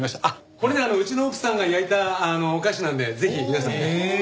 これねうちの奥さんが焼いたお菓子なんでぜひ皆さんで食べて頂けると。